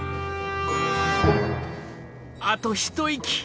あと一息。